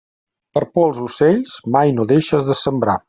Per por als ocells, mai no deixes de sembrar.